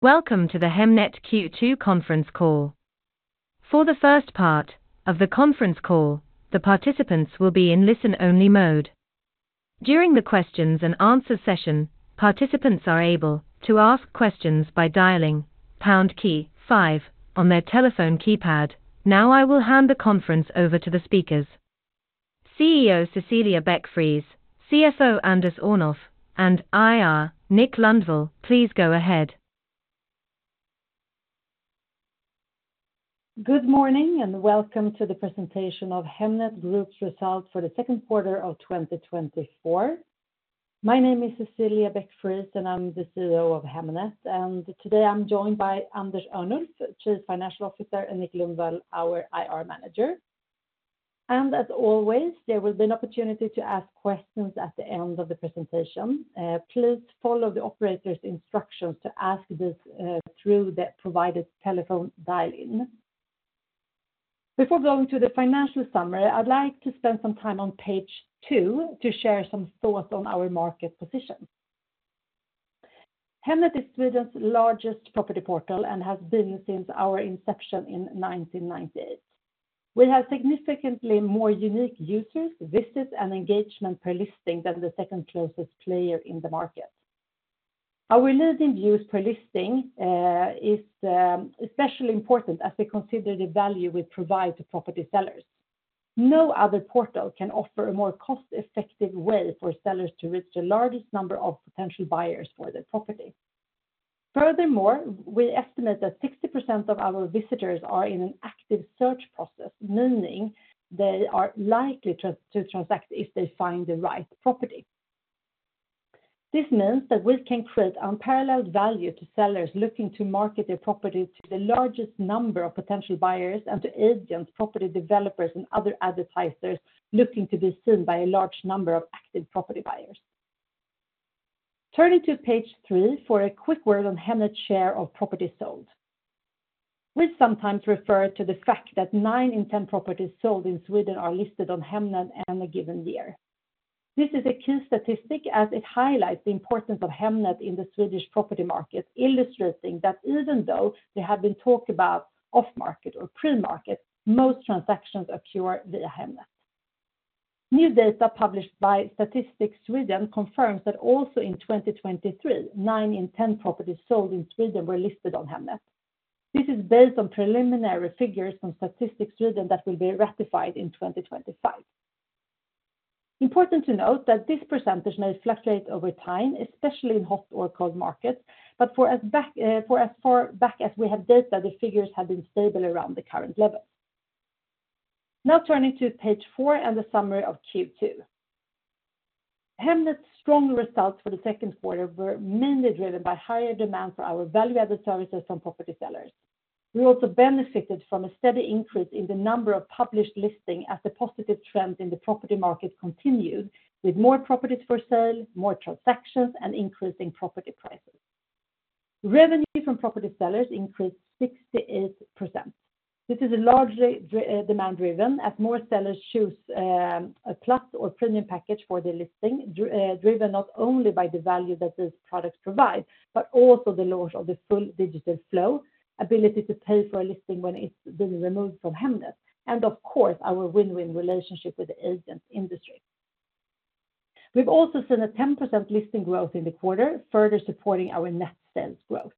Welcome to the Hemnet Q2 conference call. For the first part of the conference call, the participants will be in listen-only mode. During the questions and answer session, participants are able to ask questions by dialing pound key five on their telephone keypad. Now, I will hand the conference over to the speakers. CEO Cecilia Beck-Friis, CFO Anders Örnulf, and IR, Nick Lundvall, please go ahead. Good morning, and welcome to the presentation of Hemnet Group's results for the second quarter of 2024. My name is Cecilia Beck-Friis, and I'm the CEO of Hemnet, and today I'm joined by Anders Örnulf, Chief Financial Officer, and Nick Lundvall, our IR Manager. As always, there will be an opportunity to ask questions at the end of the presentation. Please follow the operator's instructions to ask this through the provided telephone dial-in. Before going to the financial summary, I'd like to spend some time on page two to share some thoughts on our market position. Hemnet is Sweden's largest property portal and has been since our inception in 1998. We have significantly more unique users, visits, and engagement per listing than the second closest player in the market. Our leading views per listing is especially important as we consider the value we provide to property sellers. No other portal can offer a more cost-effective way for sellers to reach the largest number of potential buyers for their property. Furthermore, we estimate that 60% of our visitors are in an active search process, meaning they are likely to transact if they find the right property. This means that we can create unparalleled value to sellers looking to market their property to the largest number of potential buyers and to agents, property developers, and other advertisers looking to be seen by a large number of active property buyers. Turning to page three for a quick word on Hemnet's share of property sold. We sometimes refer to the fact that nine in ten properties sold in Sweden are listed on Hemnet in a given year. This is a key statistic as it highlights the importance of Hemnet in the Swedish property market, illustrating that even though there have been talk about off-market or pre-market, most transactions occur via Hemnet. New data published by Statistics Sweden confirms that also in 2023, nine in 10 properties sold in Sweden were listed on Hemnet. This is based on preliminary figures from Statistics Sweden that will be ratified in 2025. Important to note that this percentage may fluctuate over time, especially in hot or cold markets, but for as far back as we have data, the figures have been stable around the current level. Now, turning to page 4 and the summary of Q2. Hemnet's strong results for the second quarter were mainly driven by higher demand for our value-added services from property sellers. We also benefited from a steady increase in the number of published listing as the positive trends in the property market continued, with more properties for sale, more transactions, and increasing property prices. Revenue from property sellers increased 68%. This is largely demand-driven, as more sellers choose a Plus or Premium package for their listing, driven not only by the value that this product provides, but also the launch of the full digital flow, ability to pay for a listing when it's been removed from Hemnet, and of course, our win-win relationship with the agent industry. We've also seen a 10% listing growth in the quarter, further supporting our net sales growth.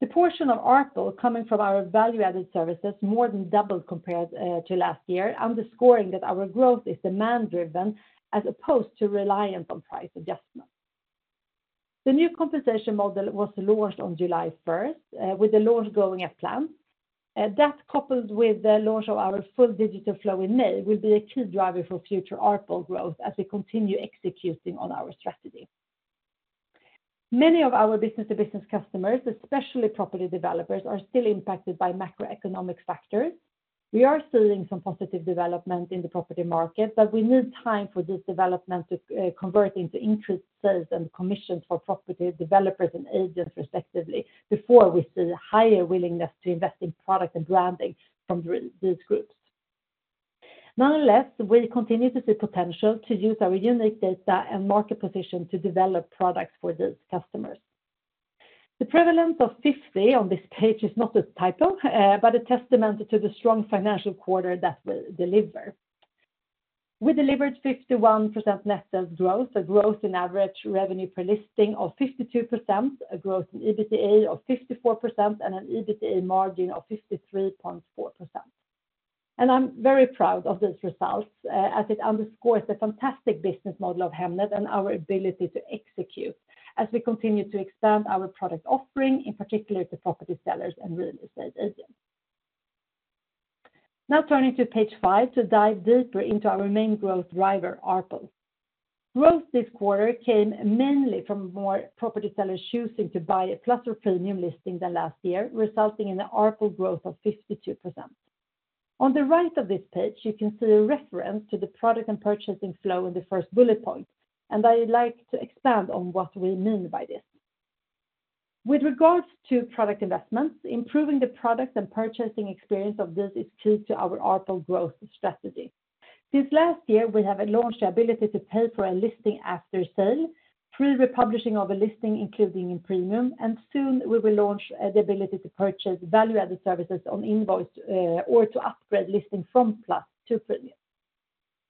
The portion of ARPU coming from our value-added services more than doubled compared to last year, underscoring that our growth is demand-driven as opposed to reliant on price adjustments. The new compensation model was launched on July first with the launch going as planned. That, coupled with the launch of our full digital flow in May, will be a key driver for future ARPU growth as we continue executing on our strategy. Many of our business-to-business customers, especially property developers, are still impacted by macroeconomic factors. We are seeing some positive development in the property market, but we need time for this development to convert into increased sales and commissions for property developers and agents, respectively, before we see higher willingness to invest in product and branding from these groups. Nonetheless, we continue to see potential to use our unique data and market position to develop products for these customers. The prevalence of 50 on this page is not a typo, but a testament to the strong financial quarter that we delivered. We delivered 51% net sales growth, a growth in average revenue per listing of 52%, a growth in EBITDA of 54%, and an EBITDA margin of 53.4%. I'm very proud of this result, as it underscores the fantastic business model of Hemnet and our ability to execute as we continue to expand our product offering, in particular to property sellers and real estate agents. Now, turning to page 5 to dive deeper into our main growth driver, ARPL. Growth this quarter came mainly from more property sellers choosing to buy a plus or premium listing than last year, resulting in an ARPL growth of 52%. On the right of this page, you can see a reference to the product and purchasing flow in the first bullet point, and I'd like to expand on what we mean by this. With regards to product investments, improving the product and purchasing experience of this is key to our ARPU growth strategy. Since last year, we have launched the ability to pay for a listing after sale, pre-republishing of a listing, including in Premium, and soon we will launch the ability to purchase value-added services on invoice or to upgrade listing from Plus to Premium.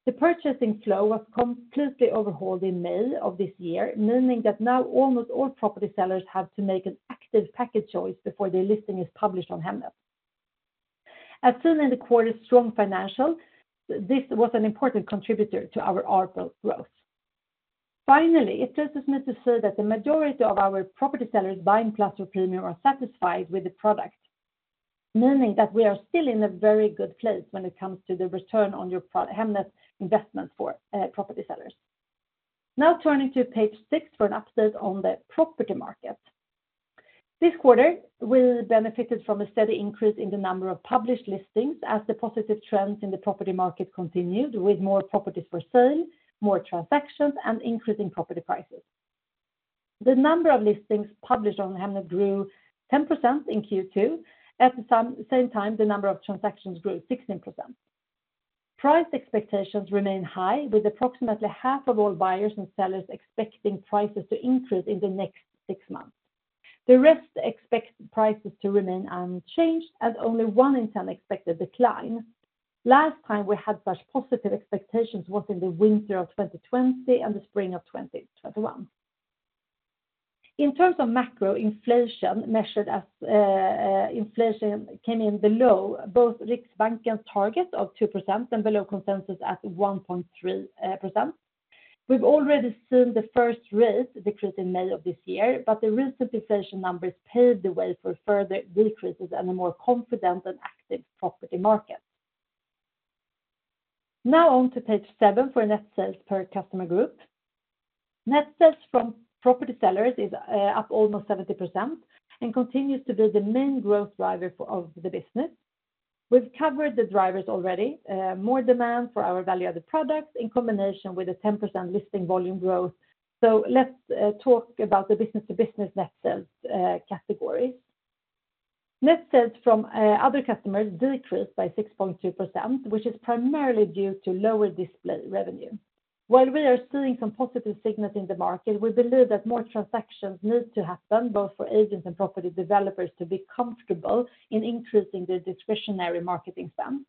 The purchasing flow was completely overhauled in May of this year, meaning that now almost all property sellers have to make an active package choice before their listing is published on Hemnet. As seen in the quarter's strong financial, this was an important contributor to our ARPU growth. Finally, it is just necessary that the majority of our property sellers buying Plus or Premium are satisfied with the product, meaning that we are still in a very good place when it comes to the return on your Hemnet investment for property sellers. Now turning to page 6 for an update on the property market. This quarter, we benefited from a steady increase in the number of published listings as the positive trends in the property market continued, with more properties for sale, more transactions, and increasing property prices. The number of listings published on Hemnet grew 10% in Q2. At the same time, the number of transactions grew 16%. Price expectations remain high, with approximately half of all buyers and sellers expecting prices to increase in the next 6 months. The rest expect prices to remain unchanged, and only one in 10 expect a decline. Last time we had such positive expectations was in the winter of 2020 and the spring of 2021. In terms of macro, inflation measured as, inflation came in below both Riksbanken's target of 2% and below consensus at 1.3%. We've already seen the first rate decrease in May of this year, but the recent inflation numbers paved the way for further decreases and a more confident and active property market. Now on to page 7 for net sales per customer group. Net sales from property sellers is up almost 70% and continues to be the main growth driver for, of the business. We've covered the drivers already, more demand for our value-added products in combination with a 10% listing volume growth. So let's talk about the business-to-business net sales category. Net sales from other customers decreased by 6.2%, which is primarily due to lower display revenue. While we are seeing some positive signals in the market, we believe that more transactions need to happen, both for agents and property developers, to be comfortable in increasing their discretionary marketing spend.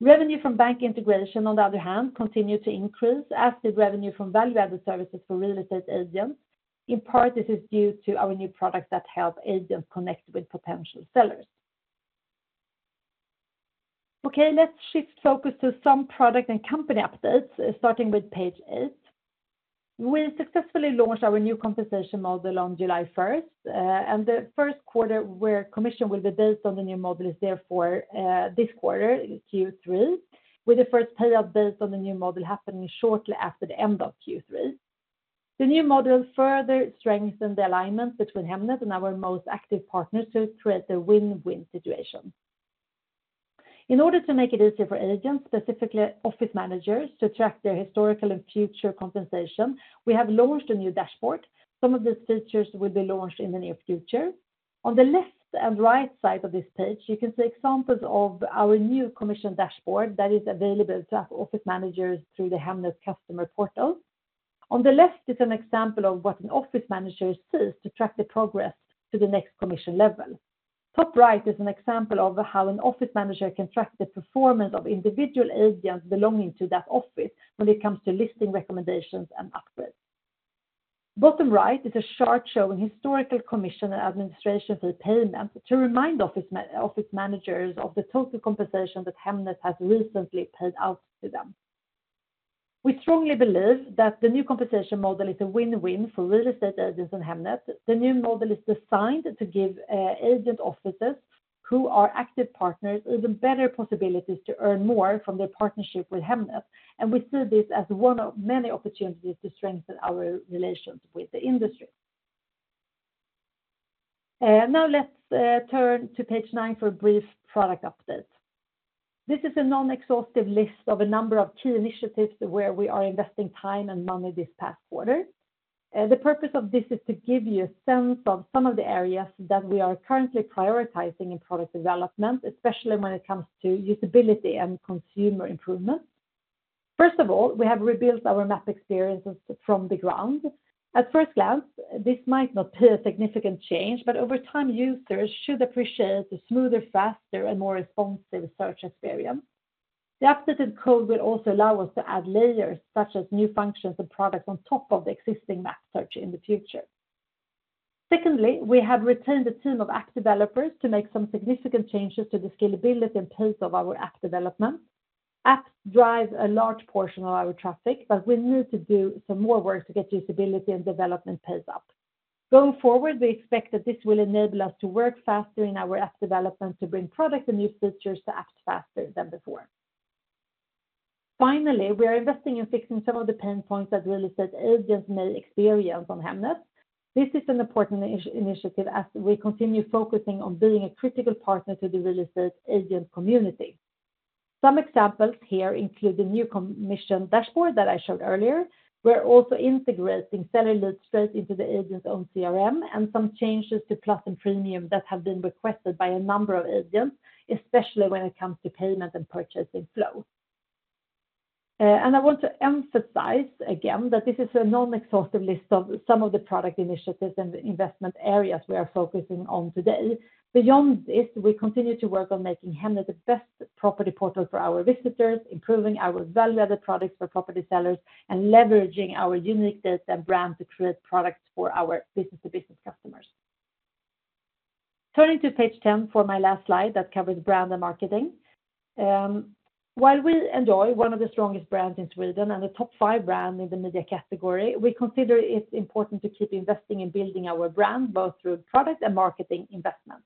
Revenue from bank integration, on the other hand, continued to increase as the revenue from value-added services for real estate agents. In part, this is due to our new products that help agents connect with potential sellers. Okay, let's shift focus to some product and company updates, starting with page eight. We successfully launched our new compensation model on July first, and the first quarter where commission will be based on the new model is therefore, this quarter, Q3, with the first payout based on the new model happening shortly after the end of Q3. The new model further strengthened the alignment between Hemnet and our most active partners to create a win-win situation. In order to make it easier for agents, specifically office managers, to track their historical and future compensation, we have launched a new dashboard. Some of these features will be launched in the near future. On the left and right side of this page, you can see examples of our new commission dashboard that is available to office managers through the Hemnet customer portal. On the left is an example of what an office manager sees to track the progress to the next commission level. Top right is an example of how an office manager can track the performance of individual agents belonging to that office when it comes to listing recommendations and upgrades. Bottom right is a chart showing historical commission and administration fee payment to remind office managers of the total compensation that Hemnet has recently paid out to them. We strongly believe that the new compensation model is a win-win for real estate agents and Hemnet. The new model is designed to give agent offices who are active partners even better possibilities to earn more from their partnership with Hemnet, and we see this as one of many opportunities to strengthen our relations with the industry. Now let's turn to page nine for a brief product update. This is a non-exhaustive list of a number of key initiatives where we are investing time and money this past quarter. The purpose of this is to give you a sense of some of the areas that we are currently prioritizing in product development, especially when it comes to usability and consumer improvement. First of all, we have rebuilt our map experiences from the ground. At first glance, this might not be a significant change, but over time, users should appreciate the smoother, faster, and more responsive search experience. The updated code will also allow us to add layers, such as new functions and products on top of the existing map search in the future. Secondly, we have retained a team of app developers to make some significant changes to the scalability and pace of our app development. Apps drive a large portion of our traffic, but we need to do some more work to get usability and development pace up. Going forward, we expect that this will enable us to work faster in our app development to bring products and new features to apps faster than before. Finally, we are investing in fixing some of the pain points that real estate agents may experience on Hemnet. This is an important initiative as we continue focusing on being a critical partner to the real estate agent community. Some examples here include the new Commission Dashboard that I showed earlier. We're also integrating seller leads straight into the agent's own CRM and some changes to Plus and Premium that have been requested by a number of agents, especially when it comes to payment and purchasing flow. I want to emphasize again, that this is a non-exhaustive list of some of the product initiatives and the investment areas we are focusing on today. Beyond this, we continue to work on making Hemnet the best property portal for our visitors, improving our value-added products for property sellers, and leveraging our unique data and brand to create products for our business-to-business customers. Turning to page 10 for my last slide, that covers brand and marketing. While we enjoy one of the strongest brands in Sweden and a top five brand in the media category, we consider it important to keep investing in building our brand, both through product and marketing investments.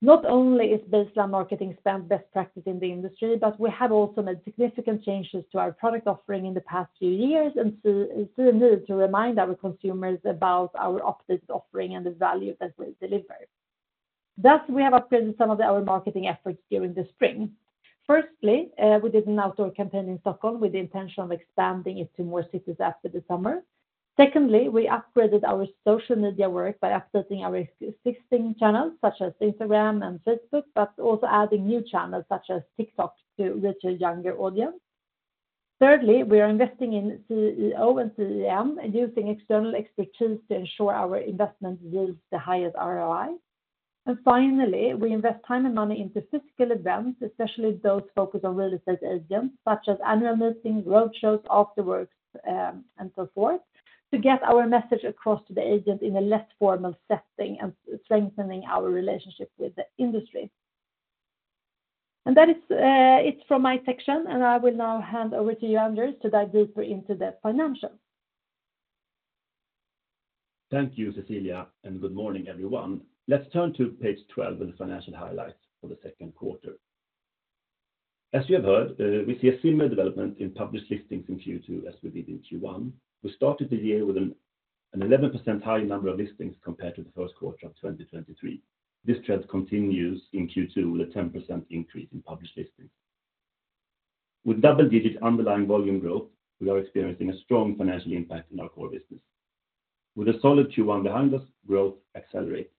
Not only is baseline marketing spend best practice in the industry, but we have also made significant changes to our product offering in the past few years, and so it's still a need to remind our consumers about our updated offering and the value that we deliver. Thus, we have upgraded some of our marketing efforts during the spring. Firstly, we did an outdoor campaign in Stockholm with the intention of expanding it to more cities after the summer. Secondly, we upgraded our social media work by updating our existing channels, such as Instagram and Facebook, but also adding new channels such as TikTok to reach a younger audience. Thirdly, we are investing in SEO and SEM and using external expertise to ensure our investment yields the highest ROI. And finally, we invest time and money into physical events, especially those focused on real estate agents, such as annual meetings, roadshows, after works, and so forth, to get our message across to the agent in a less formal setting and strengthening our relationship with the industry. That is it from my section, and I will now hand over to you, Anders, to dive deeper into the financials. Thank you, Cecilia, and good morning, everyone. Let's turn to page 12 in the financial highlights for the second quarter. As you have heard, we see a similar development in published listings in Q2 as we did in Q1. We started the year with an 11% higher number of listings compared to the first quarter of 2023. This trend continues in Q2, with a 10% increase in published listings. With double-digit underlying volume growth, we are experiencing a strong financial impact in our core business. With a solid Q1 behind us, growth accelerates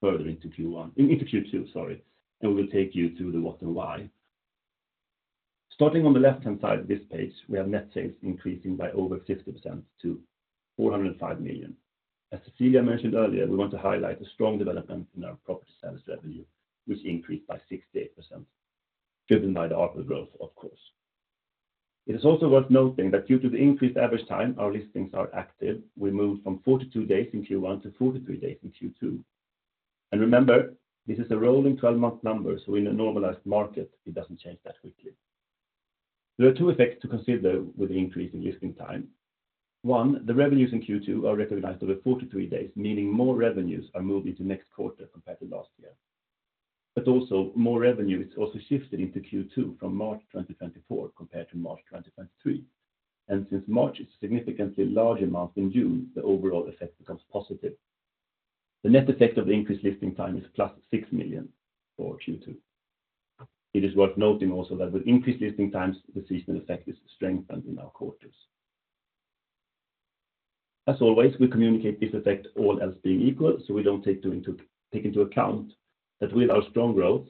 further into Q1, into Q2, sorry, and we will take you through the what and why. Starting on the left-hand side of this page, we have net sales increasing by over 50% to 405 million. As Cecilia mentioned earlier, we want to highlight the strong development in our property sales revenue, which increased by 68%, driven by the ARPL growth, of course. It is also worth noting that due to the increased average time our listings are active, we moved from 42 days in Q1 to 43 days in Q2. Remember, this is a rolling twelve-month number, so in a normalized market, it doesn't change that quickly. There are two effects to consider with the increase in listing time. One, the revenues in Q2 are recognized over 43 days, meaning more revenues are moved into next quarter compared to last year. But also, more revenues also shifted into Q2 from March 2024 compared to March 2023. And since March is a significantly larger month than June, the overall effect becomes positive. The net effect of the increased listing time is plus 6 million for Q2. It is worth noting also that with increased listing times, the seasonal effect is strengthened in our quarters. As always, we communicate this effect all else being equal, so we don't take into account that with our strong growth,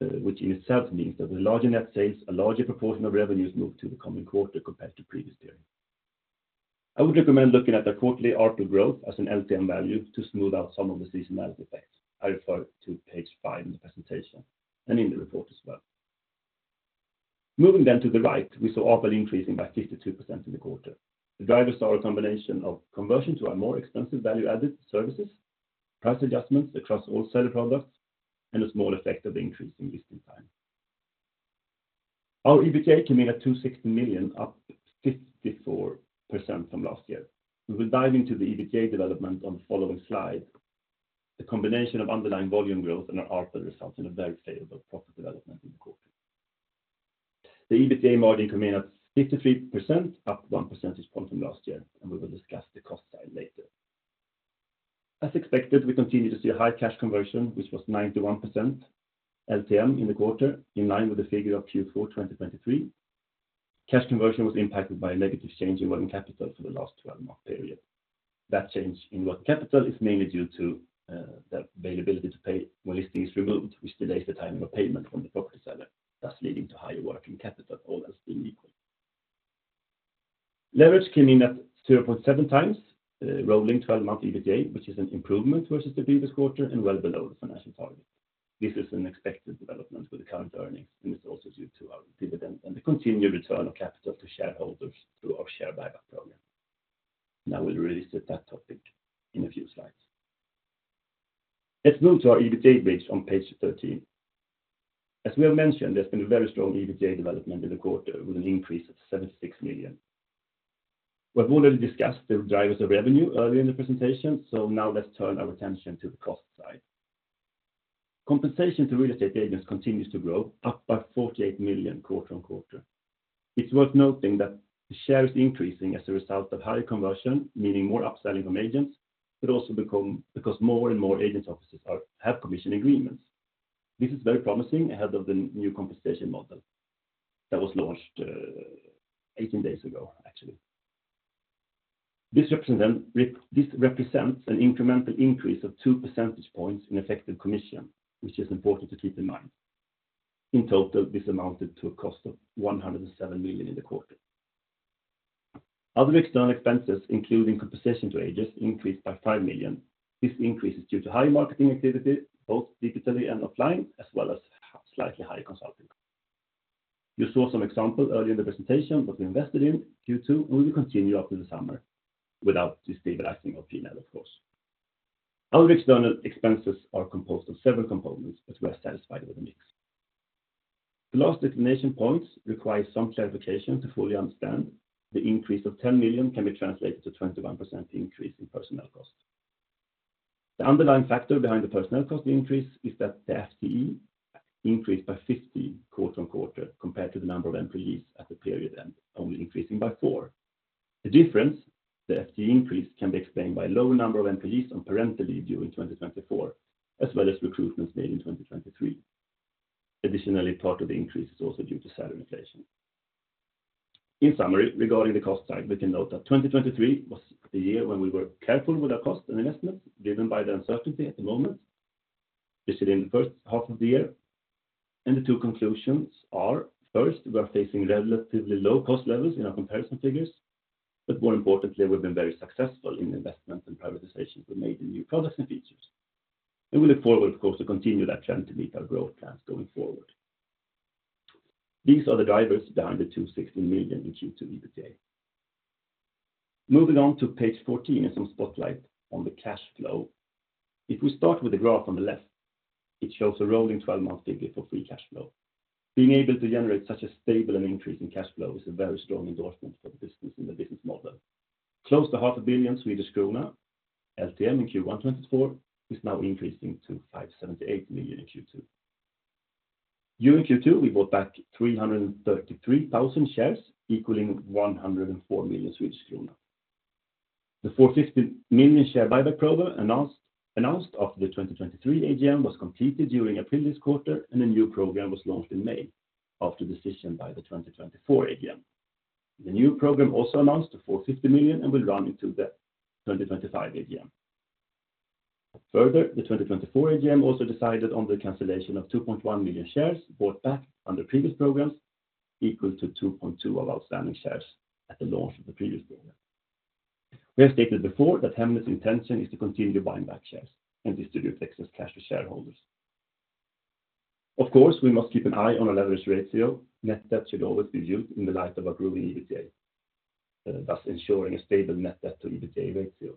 which in itself means that with larger net sales, a larger proportion of revenues move to the coming quarter compared to previous period. I would recommend looking at the quarterly ARPR growth as an LTM value to smooth out some of the seasonality effects. I refer to page 5 in the presentation and in the report as well. Moving then to the right, we saw ARPR increasing by 52% in the quarter. The drivers saw a combination of conversion to our more expensive value-added services, price adjustments across all seller products, and a small effect of the increase in listing time. Our EBITDA came in at 260 million, up 54% from last year. We will dive into the EBITDA development on the following slide. The combination of underlying volume growth and our ARPR results in a very favorable profit development in the quarter. The EBITDA margin came in at 53%, up one percentage point from last year, and we will discuss the cost side later. As expected, we continue to see a high cash conversion, which was 91% LTM in the quarter, in line with the figure of Q4 2023. Cash conversion was impacted by a negative change in working capital for the last 12-month period. That change in working capital is mainly due to, the availability to pay when listing is removed, which delays the timing of payment from the property seller, thus leading to higher working capital, all else being equal. Leverage came in at 0.7x, rolling 12-month EBITDA, which is an improvement versus the previous quarter and well below the financial target. This is an expected development with the current earnings, and it's also due to our dividend and the continued return of capital to shareholders through our share buyback program. Now, we'll release that topic in a few slides. Let's move to our EBITDA bridge on page 13. As we have mentioned, there's been a very strong EBITDA development in the quarter, with an increase of 76 million. We've already discussed the drivers of revenue earlier in the presentation, so now let's turn our attention to the cost side. Compensation to real estate agents continues to grow, up by 48 million quarter-on-quarter. It's worth noting that the share is increasing as a result of higher conversion, meaning more upselling from agents, but also because more and more agent offices are have commission agreements. This is very promising ahead of the new compensation model that was launched, 18 days ago, actually. This represents an incremental increase of 2 percentage points in effective commission, which is important to keep in mind. In total, this amounted to a cost of 107 million in the quarter. Other external expenses, including compensation to agents, increased by 5 million. This increase is due to high marketing activity, both digitally and offline, as well as slightly higher consulting. You saw some example earlier in the presentation, what we invested in Q2, and will continue up to the summer without destabilizing our P&L, of course. Other external expenses are composed of several components, but we are satisfied with the mix. The last explanation points require some clarification to fully understand. The increase of 10 million can be translated to 21% increase in personnel costs. The underlying factor behind the personnel cost increase is that the FTE increased by 50 quarter-on-quarter, compared to the number of employees at the period, and only increasing by 4. The difference, the FTE increase, can be explained by lower number of employees on parental leave during 2024, as well as recruitments made in 2023. Additionally, part of the increase is also due to salary inflation. In summary, regarding the cost side, we can note that 2023 was the year when we were careful with our cost and investment, driven by the uncertainty at the moment, evident in the first half of the year. The two conclusions are: first, we are facing relatively low cost levels in our comparison figures, but more importantly, we've been very successful in investments and prioritizations we made in new products and features. We look forward, of course, to continue that trend to meet our growth plans going forward. These are the drivers behind the 260 million in Q2 EBITDA. Moving on to page 14 and some spotlight on the cash flow. If we start with the graph on the left, it shows a rolling 12-month figure for free cash flow. Being able to generate such a stable and increasing cash flow is a very strong endorsement for the business and the business model. Close to 500 million Swedish krona LTM in Q1 2024 is now increasing to 578 million in Q2. During Q2, we bought back 333,000 shares, equaling 104 million Swedish krona. The 450 million share buyback program announced after the 2023 AGM was completed during the previous quarter, and a new program was launched in May after decision by the 2024 AGM. The new program also announced the 450 million and will run into the 2025 AGM. Further, the 2024 AGM also decided on the cancellation of 2.1 million shares bought back under previous programs, equal to 2.2% of outstanding shares at the launch of the previous program. We have stated before that Hemnet's intention is to continue buying back shares and distribute excess cash to shareholders. Of course, we must keep an eye on our leverage ratio. Net debt should always be viewed in the light of our growing EBITDA, thus ensuring a stable net debt to EBITDA ratio.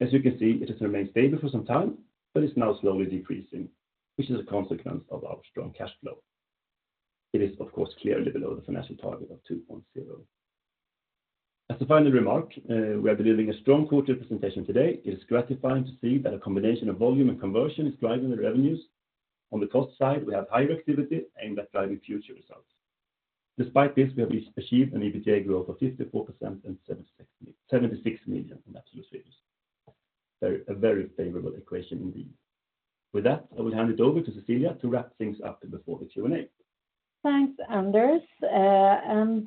As you can see, it has remained stable for some time, but it's now slowly decreasing, which is a consequence of our strong cash flow. It is, of course, clearly below the financial target of 2.0. As a final remark, we are delivering a strong quarter presentation today. It is gratifying to see that a combination of volume and conversion is driving the revenues. On the cost side, we have higher activity aimed at driving future results. Despite this, we have achieved an EBITDA growth of 54% and 76 million in absolute figures. A very favorable equation indeed. With that, I will hand it over to Cecilia to wrap things up before the Q&A. Thanks, Anders. And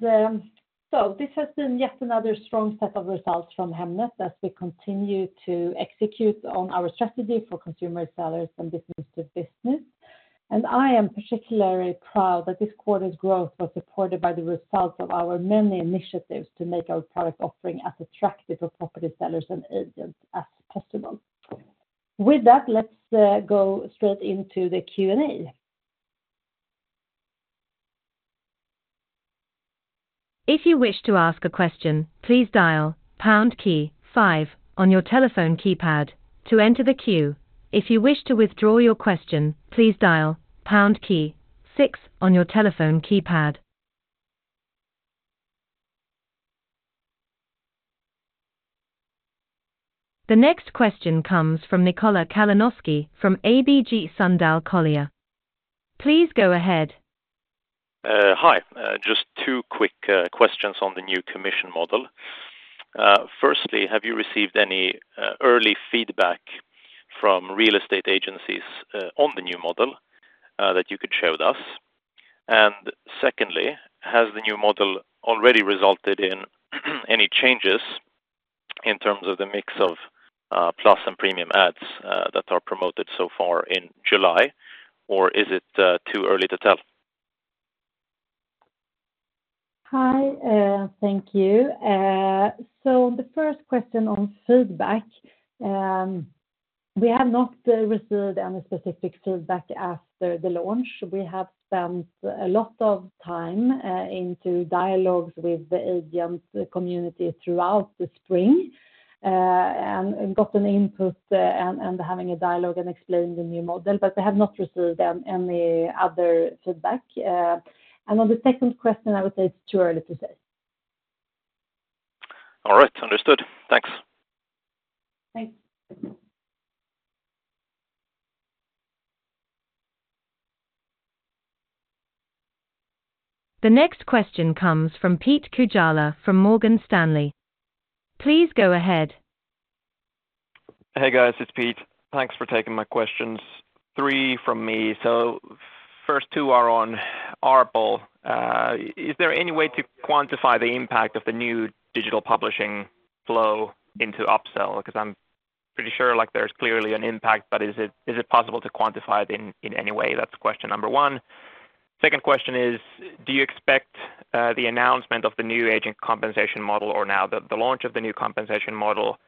so this has been yet another strong set of results from Hemnet as we continue to execute on our strategy for consumer, sellers, and business to business. I am particularly proud that this quarter's growth was supported by the results of our many initiatives to make our product offering as attractive for property sellers and agents as possible. With that, let's go straight into the Q&A. If you wish to ask a question, please dial pound key five on your telephone keypad to enter the queue. If you wish to withdraw your question, please dial pound key six on your telephone keypad. The next question comes from Nikola Kalanoski from ABG Sundal Collier. Please go ahead. Hi. Just two quick questions on the new commission model. Firstly, have you received any early feedback from real estate agencies on the new model that you could share with us? And secondly, has the new model already resulted in any changes in terms of the mix of plus and premium ads that are promoted so far in July, or is it too early to tell? Hi, thank you. So the first question on feedback, we have not received any specific feedback after the launch. We have spent a lot of time into dialogues with the agent community throughout the spring, and gotten input, and having a dialogue and explaining the new model, but we have not received any other feedback. On the second question, I would say it's too early to say. All right, understood. Thanks. Thanks. The next question comes from Pete Kujala, from Morgan Stanley. Please go ahead.... Hey, guys, it's Pete. Thanks for taking my questions. Three from me. So first two are on ARPU. Is there any way to quantify the impact of the new digital publishing flow into upsell? Because I'm pretty sure, like, there's clearly an impact, but is it possible to quantify it in any way? That's question number one. Second question is, do you expect the announcement of the new agent compensation model, or now the launch of the new compensation model,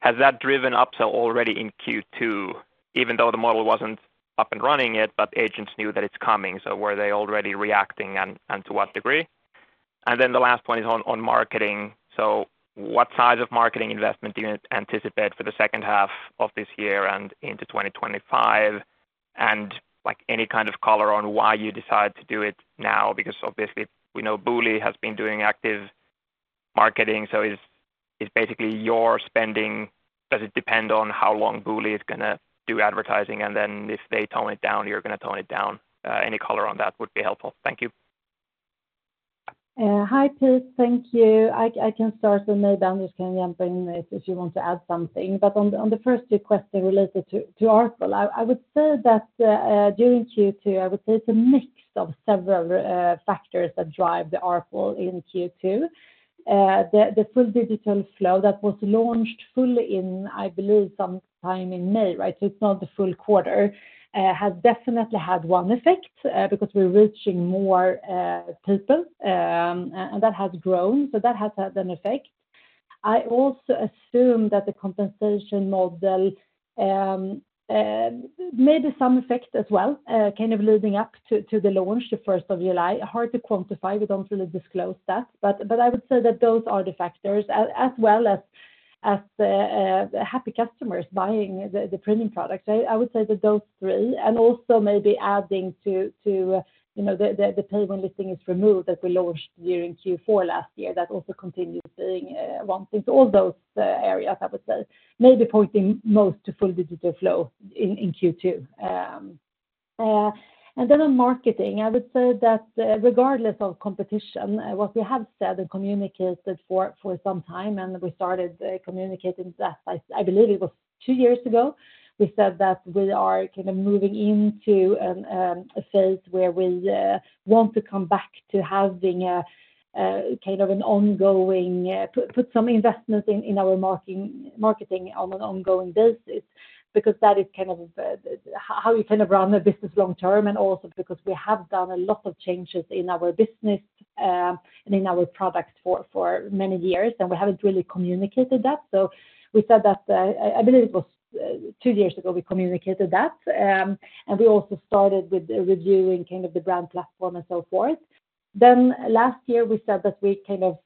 has that driven upsell already in Q2, even though the model wasn't up and running yet, but agents knew that it's coming, so were they already reacting, and to what degree? And then the last one is on marketing. So what size of marketing investment do you anticipate for the second half of this year and into 2025? Like, any kind of color on why you decide to do it now? Because obviously, we know Booli has been doing active marketing, so is basically your spending does it depend on how long Booli is gonna do advertising, and then if they tone it down, you're gonna tone it down? Any color on that would be helpful. Thank you. Hi, Pete. Thank you. I can start, and maybe Anders can jump in if you want to add something. But on the first request related to ARPU, I would say that during Q2, I would say it's a mix of several factors that drive the ARPU in Q2. The full digital flow that was launched fully in, I believe, sometime in May, right? So it's not the full quarter has definitely had one effect because we're reaching more people, and that has grown, so that has had an effect. I also assume that the compensation model made some effect as well, kind of leading up to the launch, the first of July. Hard to quantify, we don't really disclose that. But I would say that those are the factors, as well as happy customers buying the printing products. I would say that those three, and also maybe adding to, you know, the pay when listing is removed, that we launched during Q4 last year. That also continues being one thing. So all those areas, I would say, maybe pointing most to full digital flow in Q2. And then on marketing, I would say that regardless of competition, what we have said and communicated for some time, and we started communicating that, I believe it was two years ago. We said that we are kind of moving into a phase where we want to come back to put some investment in our marketing on an ongoing basis. Because that is kind of how we kind of run the business long term, and also because we have done a lot of changes in our business and in our products for many years, and we haven't really communicated that. So we said that I believe it was two years ago, we communicated that. And we also started with reviewing kind of the brand platform and so forth. Then last year, we said that we kind of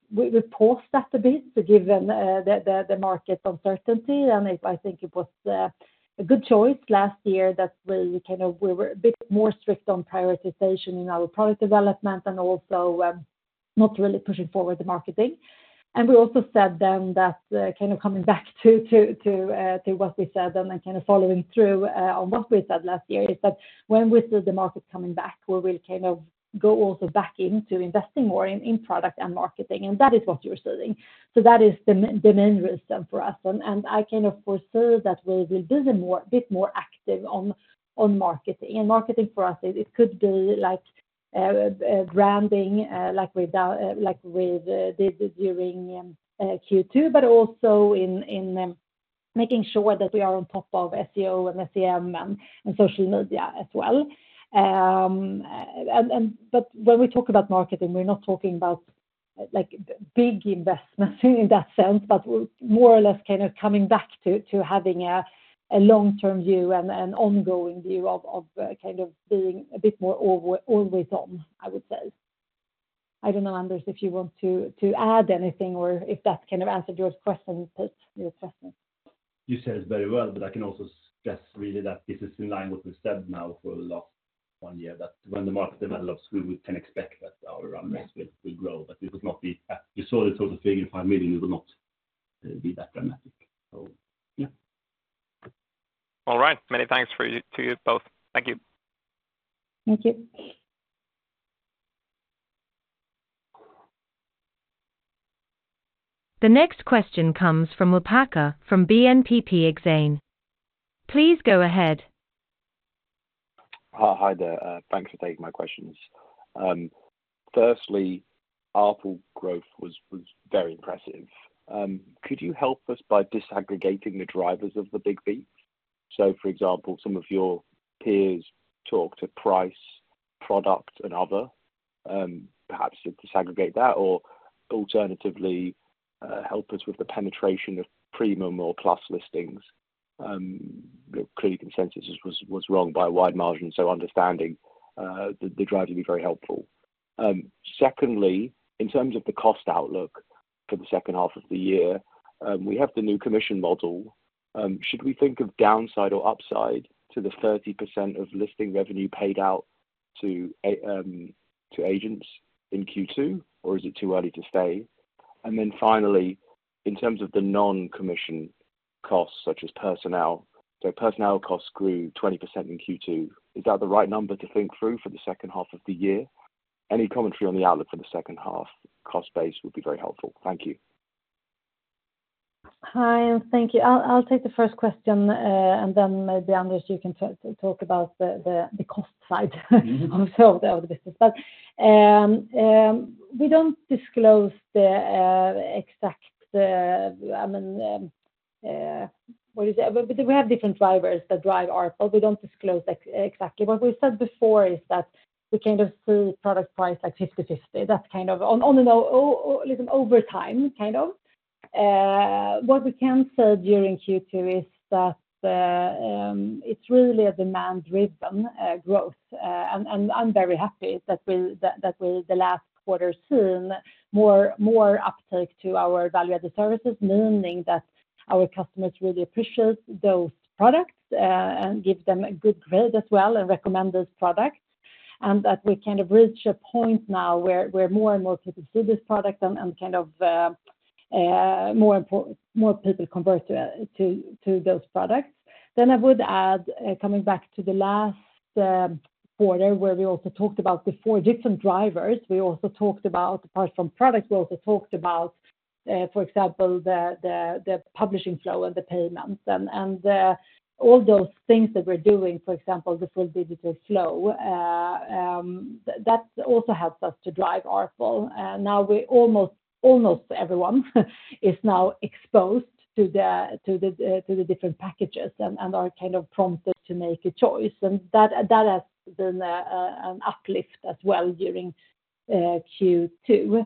paused that a bit to give them the market uncertainty. I think it was a good choice last year that we kind of we were a bit more strict on prioritization in our product development and also, not really pushing forward the marketing. We also said then that, kind of coming back to what we said and then kind of following through on what we said last year, is that when we see the market coming back, we will kind of go also back into investing more in product and marketing, and that is what you're seeing. So that is the main reason for us. I kind of foresee that we will be a bit more active on marketing. Marketing for us, it could be like branding, like with during Q2, but also in making sure that we are on top of SEO and SEM and social media as well. But when we talk about marketing, we're not talking about like big investments in that sense, but we're more or less kind of coming back to having a long-term view and an ongoing view of kind of being a bit more always on, I would say. I don't know, Anders, if you want to add anything or if that's kind of answered your question, Pete, your assessment. You said it very well, but I can also stress really that this is in line with what we've said now for the last one year, that when the market develops, we can expect that our investment will grow, but it will not be at... You saw the total figure, 5 million. It will not be that dramatic. So yeah. All right. Many thanks for you - to you both. Thank you. Thank you. The next question comes from William Packer from BNP Paribas Exane. Please go ahead. Hi there. Thanks for taking my questions. Firstly, ARPU growth was very impressive. Could you help us by disaggregating the drivers of the big beat? So, for example, some of your peers talk to price, product, and other, perhaps to disaggregate that, or alternatively, help us with the penetration of premium or class listings. Clearly, consensus was wrong by a wide margin, so understanding the drivers would be very helpful. Secondly, in terms of the cost outlook for the second half of the year, we have the new commission model. Should we think of downside or upside to the 30% of listing revenue paid out to agents in Q2, or is it too early to say? Finally, in terms of the non-commission costs, such as personnel, so personnel costs grew 20% in Q2. Is that the right number to think through for the second half of the year?... Any commentary on the outlook for the second half cost base would be very helpful. Thank you. Hi, and thank you. I'll take the first question, and then maybe, Anders, you can talk about the cost side also of the business. But we don't disclose the exact, I mean, what is it? We have different drivers that drive ARPU. We don't disclose exactly. What we said before is that we kind of through product price, like 50/50. That's kind of on and off like over time, kind of. What we can say during Q2 is that it's really a demand driven growth. And I'm very happy that we, the last quarter saw more uptake to our value-added services, meaning that our customers really appreciate those products and give them a good grade as well, and recommend those products. And that we kind of reach a point now where more and more people see this product and kind of more people convert to those products. Then I would add coming back to the last quarter, where we also talked about the four different drivers. We also talked about apart from product, we also talked about for example, the publishing flow and the payments, and all those things that we're doing, for example, the full digital flow. That also helps us to drive ARPU. And now almost everyone is now exposed to the different packages and are kind of prompted to make a choice. And that has been an uplift as well during Q2.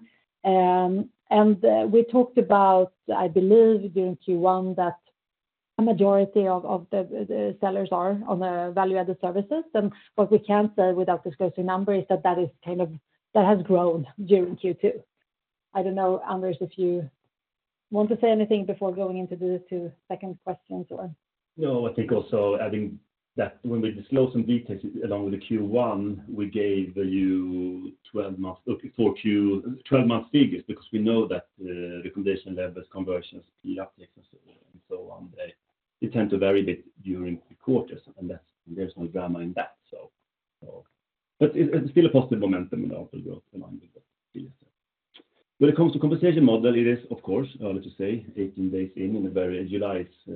We talked about, I believe during Q1, that a majority of the sellers are on the value-added services. What we can say without disclosing number, is that that has grown during Q2. I don't know, Anders, if you want to say anything before going into the two second questions or? No, I think also adding that when we disclose some details along with the Q1, we gave you 12 months, okay, for Q1. 12 months figures, because we know that the condition levels, conversions, speed, upticks and so on, they tend to vary a bit during the quarters, unless there's no drama in that. But it's still a positive momentum and also growth in mind. When it comes to compensation model, it is, of course, early to say, 18 days in, July is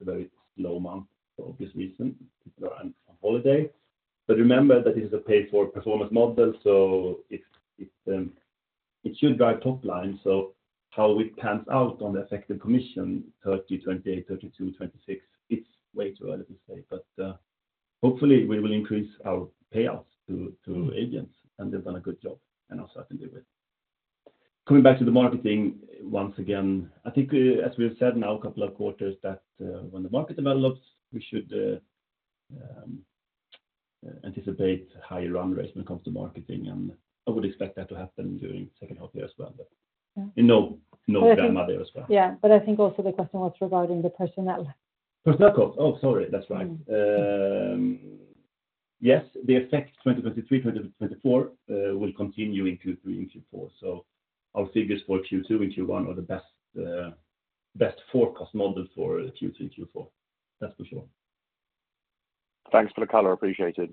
a very slow month for obvious reasons, and holiday. But remember that this is a paid for performance model, so it should drive top line. So how it pans out on the effective commission, 30, 28, 32, 26, it's way too early to say. But hopefully we will increase our payouts to, to agents, and they've done a good job, and also I can live with. Coming back to the marketing once again, I think, as we have said now a couple of quarters, that, when the market develops, we should anticipate higher run rate when it comes to marketing. And I would expect that to happen during the second half year as well, but, and no, no drama there as well. Yeah, but I think also the question was regarding the personnel. Personnel cost. Oh, sorry. That's right. Mm. Yes, the effect 2023, 2024, will continue in Q3 and Q4. So our figures for Q2 and Q1 are the best forecast model for Q3, Q4. That's for sure. Thanks for the color. Appreciated.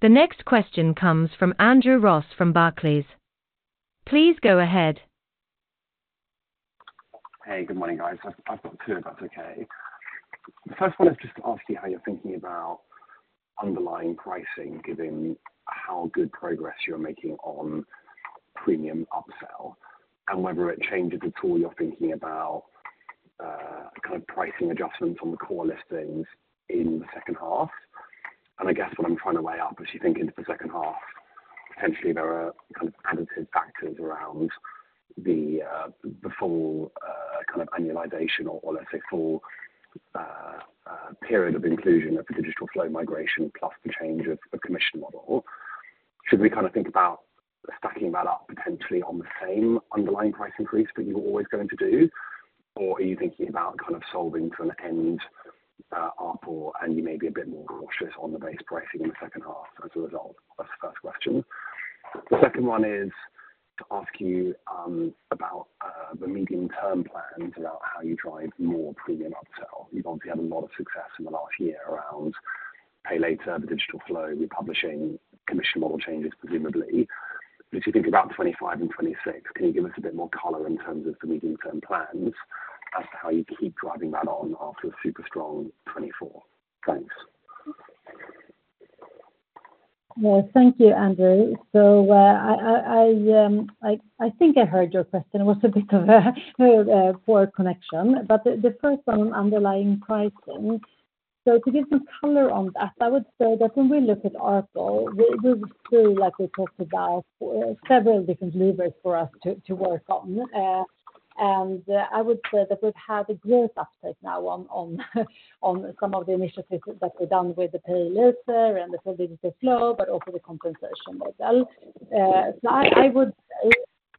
The next question comes from Andrew Ross, from Barclays. Please go ahead. Hey, good morning, guys. I've got two, if that's okay. First one is just to ask you how you're thinking about underlying pricing, given how good progress you're making on premium upsell, and whether it changes at all your thinking about kind of pricing adjustments on the core listings in the second half? And I guess what I'm trying to weigh up, as you think into the second half, potentially there are kind of additive factors around the full kind of annualization or let's say full period of inclusion of the digital flow migration, plus the change of the commission model. Should we kind of think about stacking that up potentially on the same underlying price increase that you were always going to do? Or are you thinking about kind of solving for an end, ARPU, and you may be a bit more cautious on the base pricing in the second half as a result? That's the first question. The second one is to ask you, about, the medium-term plans about how you drive more premium upsell. You've obviously had a lot of success in the last year around pay later, the digital flow, republishing, commission model changes, presumably. As you think about 2025 and 2026, can you give us a bit more color in terms of the medium-term plans as to how you keep driving that on after a super strong 2024? Thanks. Yeah. Thank you, Andrew. So, I think I heard your question. It was a bit of a poor connection, but the first one, underlying pricing. So to give some color on that, I would say that when we look at ARPU, we see, like we talked about, several different levers for us to work on. And I would say that we've had a great uptake now on some of the initiatives that we've done with the pay later and the full digital flow, but also the compensation model. So I would say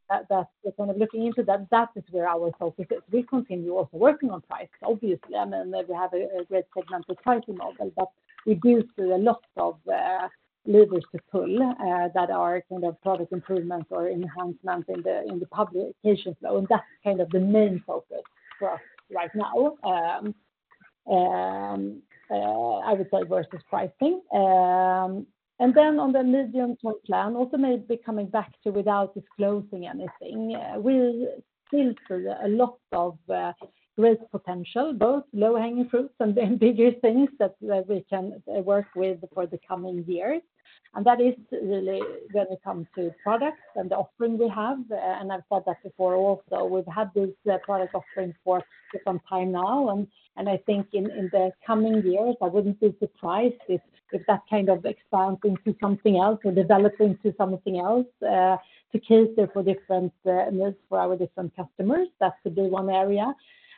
that kind of looking into that, that is where our focus is. We continue also working on price, obviously. I mean, we have a great segment of pricing model, but we do see a lot of levers to pull that are kind of product improvements or enhancements in the publication flow, and that's kind of the main focus for us right now. I would say versus pricing. And then on the medium term plan, also maybe coming back to without disclosing anything, we still see a lot of growth potential, both low-hanging fruits and then bigger things that we can work with for the coming years. And that is really when it comes to products and the offering we have, and I've said that before also. We've had this product offering for some time now, and I think in the coming years, I wouldn't be surprised if that kind of expands into something else or develops into something else, to cater for different needs for our different customers. That's the big one area.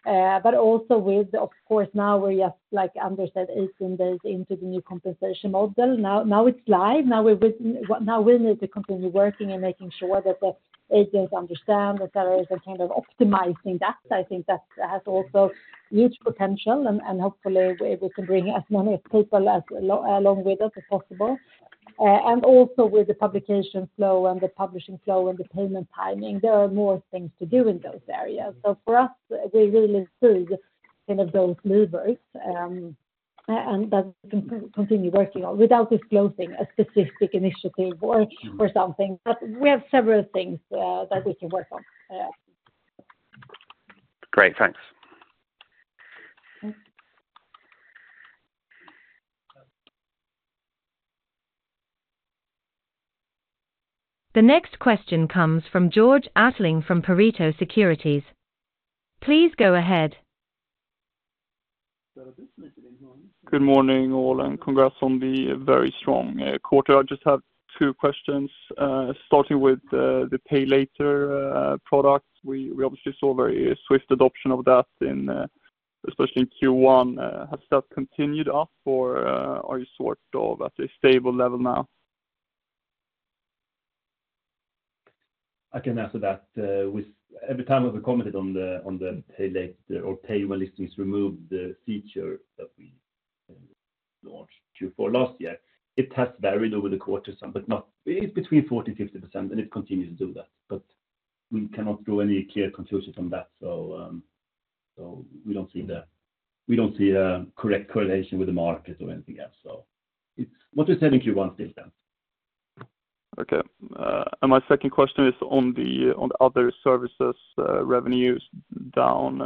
But also with, of course, now we are, like Anders said, 18 days into the new compensation model. Now it's live. Now we need to continue working and making sure that the agents understand, et cetera, and kind of optimizing that. I think that has also huge potential, and hopefully we can bring as many people as along with us as possible. And also with the publication flow and the publishing flow and the payment timing, there are more things to do in those areas. So for us, we really see kind of those levers, and that we can continue working on without disclosing a specific initiative or, or something, but we have several things, that we can work on. Yeah. Great. Thanks. The next question comes from Georg Attling from Pareto Securities. Please go ahead. Good morning, all, and congrats on the very strong quarter. I just have two questions, starting with the pay later product. We obviously saw very swift adoption of that in, especially in Q1. Has that continued up or are you sort of at a stable level now? I can answer that. With every time we've commented on the, on the pay late or pay when it's removed, the feature that we launched Q4 last year, it has varied over the quarter, some, but not... It's between 40%-50%, and it continues to do that, but we cannot draw any clear conclusion from that. So, so we don't see a correct correlation with the market or anything else. So it's what we said in Q1 data. Okay. And my second question is on the other services, revenues down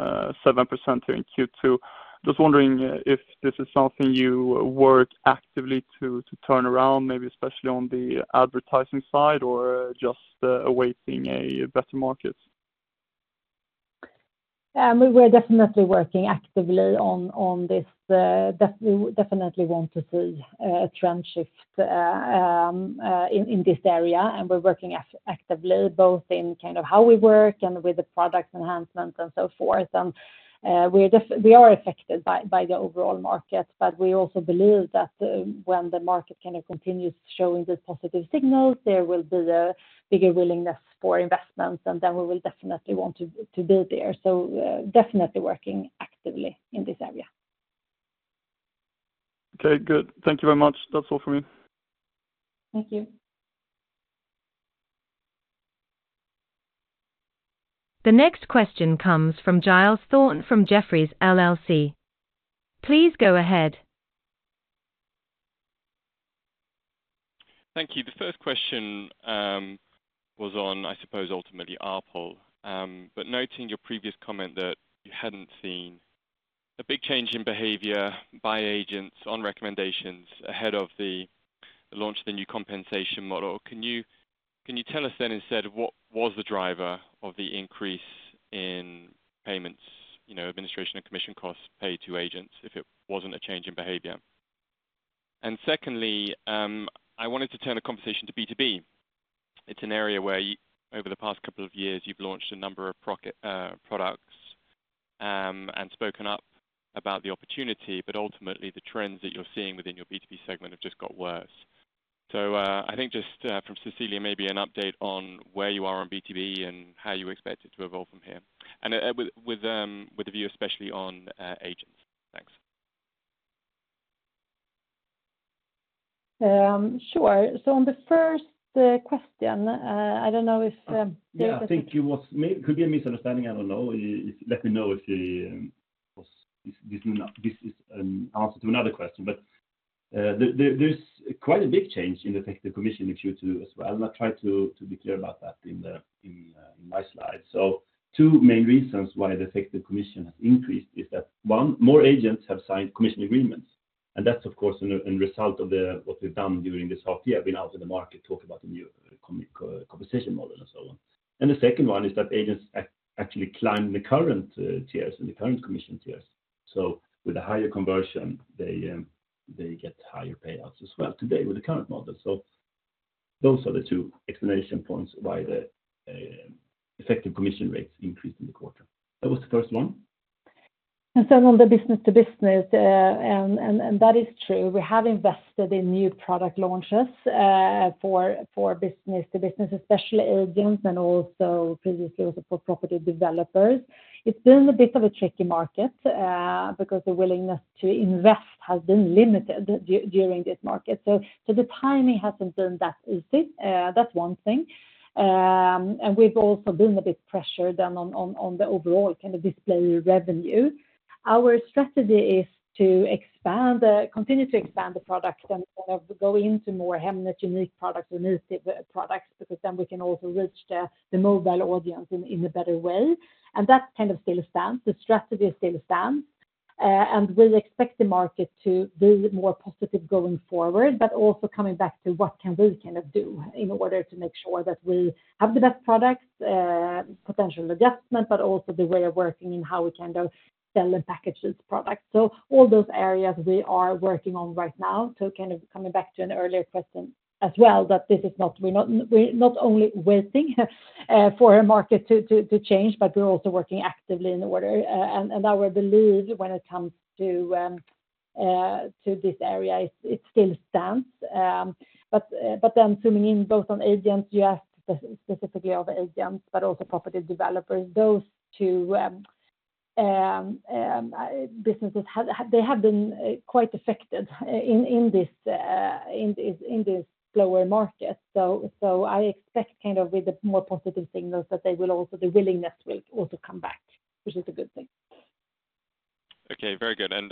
7% in Q2. Just wondering if this is something you work actively to turn around, maybe especially on the advertising side, or just awaiting a better market? We're definitely working actively on this. We definitely want to see a trend shift in this area, and we're working actively, both in kind of how we work and with the product enhancement and so forth. We're affected by the overall market, but we also believe that when the market kind of continues showing the positive signals, there will be a bigger willingness for investments, and then we will definitely want to be there. So, definitely working actively in this area. Okay, good. Thank you very much. That's all for me. Thank you. The next question comes from Giles Thorne from Jefferies LLC. Please go ahead. Thank you. The first question was on, I suppose, ultimately, ARPL, but noting your previous comment that you hadn't seen a big change in behavior by agents on recommendations ahead of the launch of the new compensation model, can you, can you tell us then, instead, what was the driver of the increase in payments, you know, administration and commission costs paid to agents if it wasn't a change in behavior? And secondly, I wanted to turn the conversation to B2B. It's an area where over the past couple of years, you've launched a number of products, and spoken up about the opportunity, but ultimately, the trends that you're seeing within your B2B segment have just got worse. I think just from Cecilia, maybe an update on where you are on B2B and how you expect it to evolve from here, and with a view, especially on agents. Thanks. Sure. So on the first question, I don't know if, Yeah, I think it could be a misunderstanding. I don't know. Let me know if this is an answer to another question, but there's quite a big change in the effective commission in Q2 as well, and I try to be clear about that in my slide. So two main reasons why the effective commission has increased is that, one, more agents have signed commission agreements, and that's, of course, a result of what we've done during this half year, been out in the market, talk about the new compensation model and so on. And the second one is that agents actually climb the current tiers in the current commission tiers. So with a higher conversion, they get higher payouts as well today with the current model. So those are the two explanation points why the effective commission rates increased in the quarter. That was the first one. On the business to business, that is true. We have invested in new product launches for business to business, especially agents and also previously also for property developers. It's been a bit of a tricky market, because the willingness to invest has been limited during this market. So the timing hasn't been that easy. That's one thing. And we've also been a bit pressured on the overall kind of display revenue. Our strategy is to continue to expand the products and go into more Hemnet unique products, initiative products, because then we can also reach the mobile audience in a better way. And that kind of still stands. The strategy still stands, and we expect the market to be more positive going forward, but also coming back to what can we kind of do in order to make sure that we have the best products, potential adjustment, but also the way of working and how we can go sell and package this product. So all those areas we are working on right now. So kind of coming back to an earlier question as well, that this is not – we're not only waiting for a market to change, but we're also working actively in order. And our belief when it comes to this area, it still stands. But then zooming in both on agents, you asked specifically of agents, but also property developers. Those two businesses have—they have been quite affected in this slower market. So I expect kind of with the more positive signals that they will also, the willingness will also come back, which is a good thing. Okay, very good. And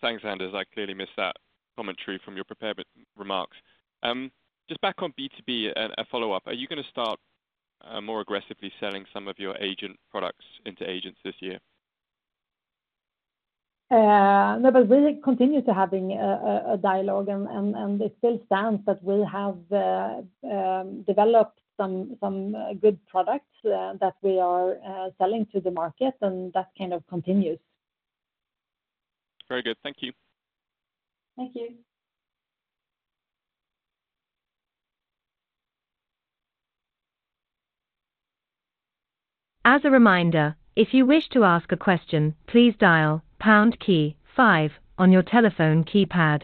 thanks, Anders. I clearly missed that commentary from your prepared remarks. Just back on B2B, a follow-up. Are you gonna start more aggressively selling some of your agent products into agents this year? No, but we continue to having a dialogue, and it still stands that we have developed some good products that we are selling to the market, and that kind of continues. Very good. Thank you. Thank you. As a reminder, if you wish to ask a question, please dial pound key five on your telephone keypad.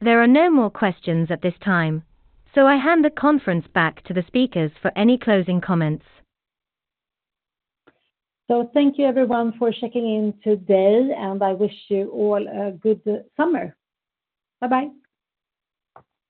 There are no more questions at this time, so I hand the conference back to the speakers for any closing comments. Thank you, everyone, for checking in today, and I wish you all a good summer. Bye-bye.